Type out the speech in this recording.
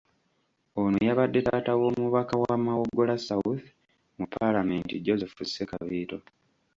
Ono yabadde taata w’omubaka wa Mawogola South mu Paalamenti Joseph Ssekabiito.